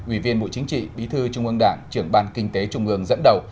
ủy viên bộ chính trị bí thư trung ương đảng trưởng ban kinh tế trung ương dẫn đầu